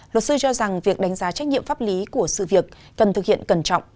luật sư cho rằng việc đánh giá trách nhiệm pháp lý của sự việc cần thực hiện cẩn trọng